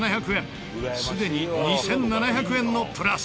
すでに２７００円のプラス。